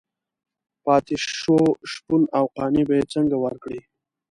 پاتې شو شپون او قانع ته به یې څنګه ورکړي.